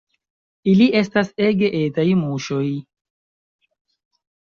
Ili estas ege etaj muŝoj.